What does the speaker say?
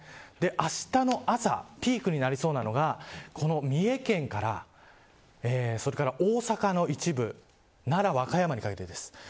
あしたの朝ピークになりそうなのが三重県から大阪の一部奈良、和歌山にかけてです。